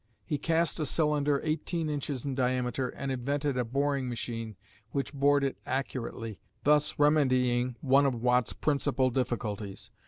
He cast a cylinder eighteen inches in diameter, and invented a boring machine which bored it accurately, thus remedying one of Watt's principal difficulties.